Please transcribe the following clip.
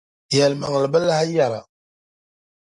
Yɛlimaŋli bi lahi yɛra.